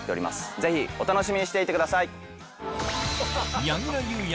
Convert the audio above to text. ぜひお楽しみにしていてください！